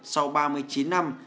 sau ba mươi chín năm